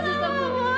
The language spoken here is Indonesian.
tika nggak mau buta ma